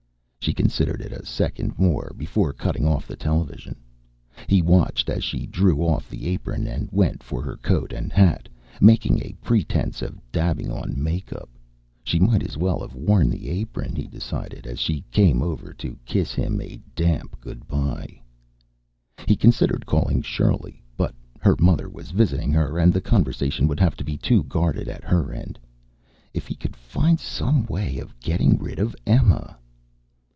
She considered it a second more, before cutting off the television. He watched as she drew off the apron and went for her coat and hat, making a pretense of dabbing on make up. She might as well have worn the apron, he decided, as she came over to kiss him a damp good bye. He considered calling Shirley, but her mother was visiting her, and the conversation would have to be too guarded at her end. If he could find some way of getting rid of Emma....